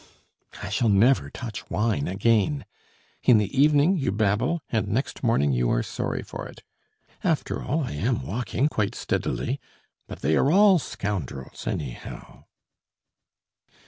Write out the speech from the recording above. H'm! I shall never touch wine again. In the evening you babble, and next morning you are sorry for it. After all, I am walking quite steadily.... But they are all scoundrels, anyhow!"